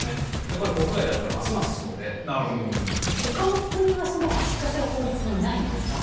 これ、国外だったら、ますますそほかの国は、その足かせは、法律にないんですか？